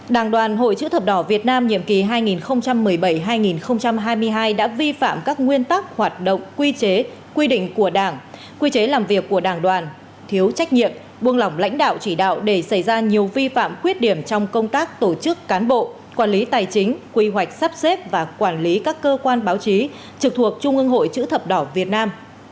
một đảng đoàn hội chữ thập đỏ việt nam nhiệm kỳ hai nghìn một mươi bảy hai nghìn hai mươi hai đã vi phạm các nguyên tắc hoạt động quy chế quy định của đảng quy chế làm việc của đảng đoàn thiếu trách nhiệm buông lỏng lãnh đạo chỉ đạo để xảy ra nhiều vi phạm quyết điểm trong công tác tổ chức cán bộ quản lý tài chính quy hoạch sắp xếp và quản lý các cơ quan báo chí trực thuộc trung ương hội chữ thập đỏ việt nam